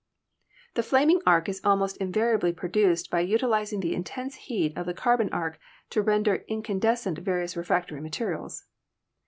The flaming arc is almost invariably produced by util izing the intense heat of the carbon arc to render incan descent various refractory materials.